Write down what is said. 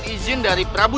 tidak akan kutip kaki